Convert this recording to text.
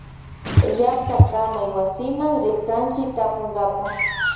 Llactakamaywasiman rirkanchi tapunkapa.